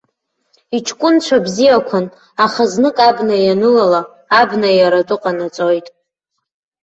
Иҷкәынцәа бзиақәан, аха знык абна ианылала, абна иара атәы ҟанаҵоит.